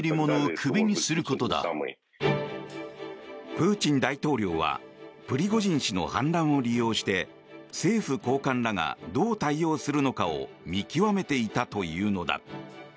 プーチン大統領はプリゴジン氏の反乱を利用して政府高官らがどう対応するのかを見極めていたというのだ。